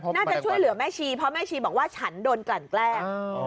น่าจะช่วยเหลือแม่ชีเพราะแม่ชีบอกว่าฉันโดนกลั่นแกล้ง